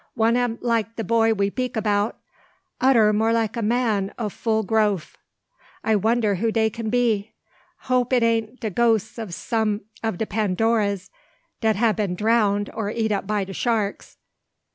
One am like de boy we 'peak 'bout, odder more like a man o' full groaf. I wonder who dey can be. Hope 't an't de ghoses of some o' de Pandoras dat ha' been drowned or eat up by de sharks.